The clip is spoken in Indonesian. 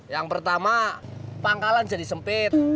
yang pertama pangkalan jadi sempit